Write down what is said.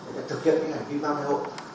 để thực hiện hành vi mang thai hộ